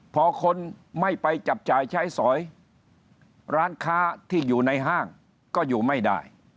พอคนไม่ไปจับจ่ายใช้สอยร้านค้าที่อยู่ในห้างก็อยู่ไม่ได้